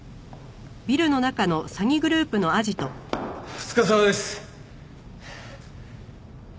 お疲れさまです。